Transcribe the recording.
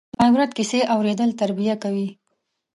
د عبرت کیسې اورېدل تربیه کوي.